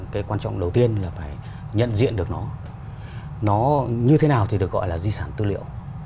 cái quan trọng đầu tiên là phải nhận diện được nó như thế nào thì được gọi là di sản tư liệu